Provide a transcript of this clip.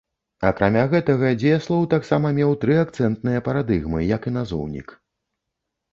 Акрамя гэтага, дзеяслоў таксама меў тры акцэнтныя парадыгмы, як і назоўнік.